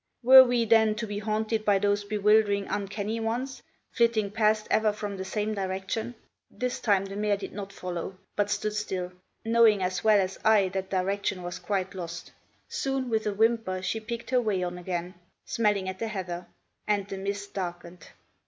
Were we, then, to be haunted by those bewildering uncanny ones, flitting past ever from the same direction? This time the mare did not follow, but stood still; knowing as well as I that direction was quite lost. Soon, with a whimper, she picked her way on again, smelling at the heather. And the mist darkened!